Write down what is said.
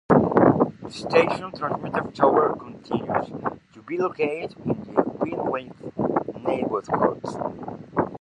The station's transmitter tower continues to be located in the Fineview neighborhood.